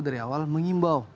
dari awal mengimbau